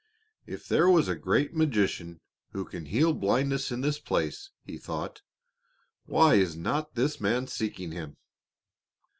"If there is a great magician who can heal blindness in this place," he thought, "why is not this man seeking him?"